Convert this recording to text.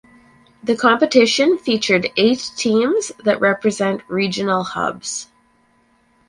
The competition featured eight teams that represent regional hubs.